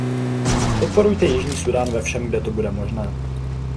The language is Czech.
Podporujte jižní Súdán ve všem, kde to bude možné.